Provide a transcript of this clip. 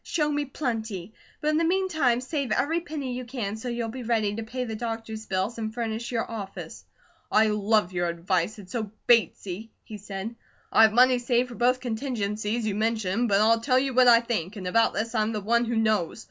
Show me plenty. But in the meantime, save every penny you can, so you'll be ready to pay the doctor's bills and furnish your office." "I love you advice; it's so Batesy," he said. "I have money saved for both contingencies you mention, but I'll tell you what I think, and about this I'm the one who knows.